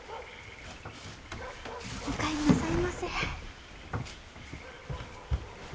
おかえりなさいませ。